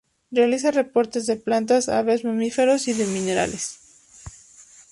Realiza reportes de plantas, aves, mamíferos y de minerales.